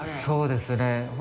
そうですね。